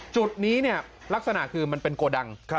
จุดนี้เนี่ยลักษณะคือมันเป็นโกดัง